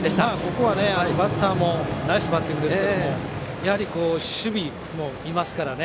ここはバッターもナイスバッティングでしたけどもやはり守備もいますから。